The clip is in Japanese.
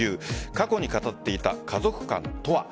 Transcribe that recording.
過去に語っていた家族観とは。